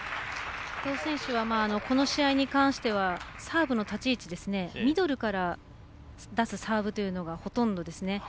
伊藤選手はこの試合に関してはサーブの立ち位置ミドルから出すサーブというのがほとんどですね。